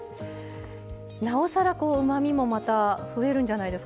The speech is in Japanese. なおさらうまみもまた増えるんじゃないですか。